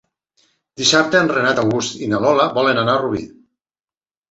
Dissabte en Renat August i na Lola volen anar a Rubí.